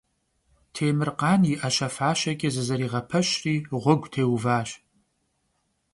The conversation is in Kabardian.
Têmırkhan yi 'eşe - faşeç'e zızeriğepeşri ğuegu têuvaş.